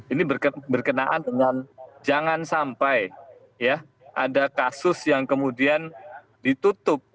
ini berkenaan dengan jangan sampai ya ada kasus yang kemudian ditutup